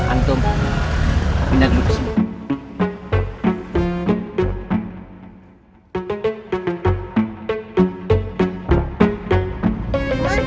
antum pindah dulu ke sini